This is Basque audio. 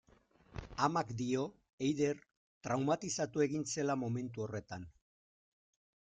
Amak dio Eider traumatizatu egin zela momentu horretan.